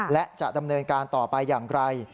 และจะดำเนินการต่อไปอย่างไร